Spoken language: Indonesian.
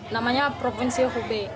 namanya provinsi hubei